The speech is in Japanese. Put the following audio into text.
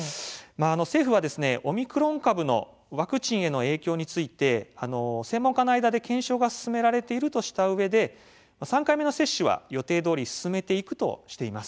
政府はオミクロン株のワクチンへの影響について専門家の間で検証が進められているとしたうえで３回目の接種は予定どおり進めていくとしています。